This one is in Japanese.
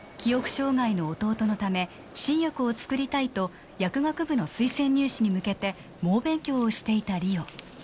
障害の弟のため新薬を作りたいと薬学部の推薦入試に向けて猛勉強をしていた梨央